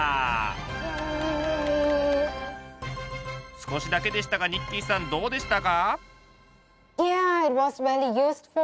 少しだけでしたがニッキーさんどうでしたか？